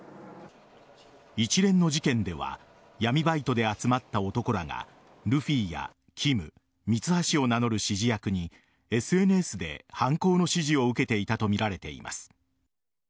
一連の事件では闇バイトで集まった男らがルフィやキムミツハシを名乗る指示役にＳＮＳで犯行の指示を受けていたとみられています。